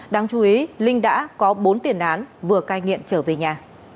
đáng chú ý linh đã có bốn tiền án vừa cai nghiện trở về nhà